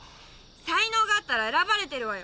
才能があったら選ばれてるわよ。